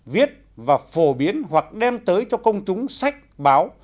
viết và phổ biến hoặc đem tới cho công chúng sách báo